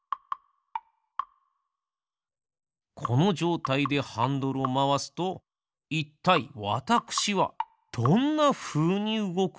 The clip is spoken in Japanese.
このじょうたいでハンドルをまわすといったいわたくしはどんなふうにうごくのでしょう？